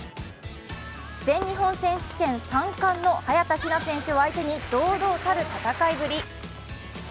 全日本選手権３冠の早田ひな選手を相手に堂々たる戦いぶり。